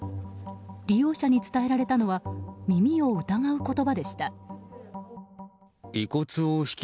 利用者に伝えられたのは耳を疑う言葉でした。